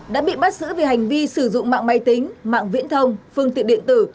đã bị bắt giữ về hành vi sử dụng mạng máy tính mạng viễn thông phương tiện điện tử